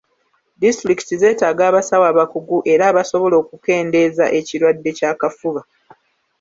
Disitulikiti zeetaga abasawo abakugu era abasobola okukendeeza ekirwadde ky'akafuba.